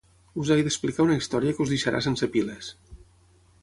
Us he d'explicar una història que us deixarà sense piles.